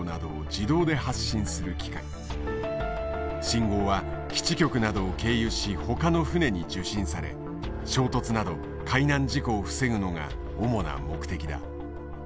信号は基地局などを経由しほかの船に受信され衝突など海難事故を防ぐのが主な目的だ。